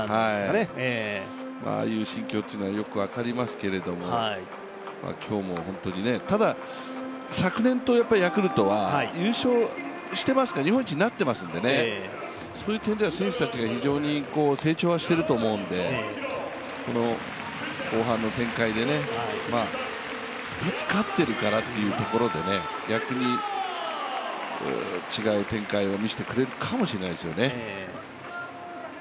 ああいう心境というのはよく分かりますけれども、ただ、昨年と、ヤクルトは、優勝していますから、日本一になってますのでね、そういう点では選手たちが非常に成長はしていると思うんでこの後半の展開で２つ勝っているからというところで逆に違う展開を見せてくれるかもしれないですよね。